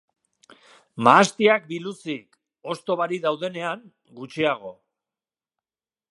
Mahastiak biluzik, hosto barik daudenean, gutxiago.